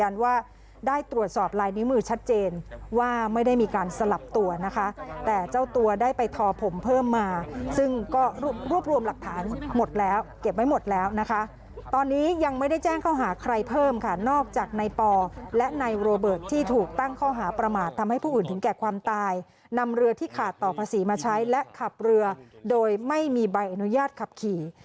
นำเรือที่ขาดต่อภาษีมาใช้และขับเรือโดยไม่มีใบอนุญาตขับขี่